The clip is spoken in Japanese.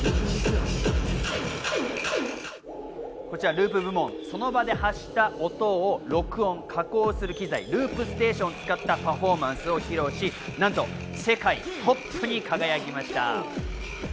ループ部門、その場で発した音を録音、加工する機材・ループステーションを使ったパフォーマンスを披露し、なんと世界トップに輝きました。